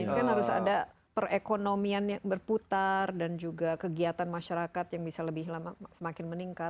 ini kan harus ada perekonomian yang berputar dan juga kegiatan masyarakat yang bisa lebih semakin meningkat